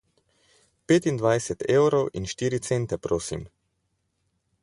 Petindvajset evrov in štiri cente prosim.